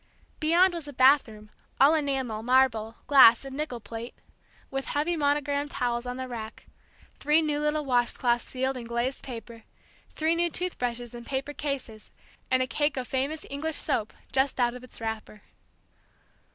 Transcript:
Beyond was a bathroom, all enamel, marble, glass, and nickel plate, with heavy monogrammed towels on the rack, three new little wash cloths sealed in glazed paper, three new tooth brushes in paper cases, and a cake of famous English soap just out of its wrapper.